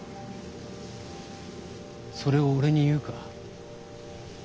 それを俺に言うか？